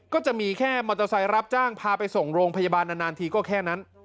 ก็จะมีแค่มอเตอร์ไซค์รับจ้างพาไปส่งโรงพยาบาลนานทีก็แค่นั้น